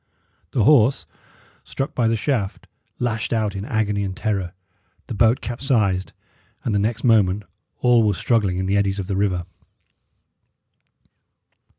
The horse, struck by the shaft, lashed out in agony and terror; the boat capsized, and the next moment all were struggling in the eddies of the river.